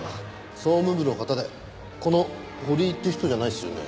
総務部の方でこの堀井っていう人じゃないですよね？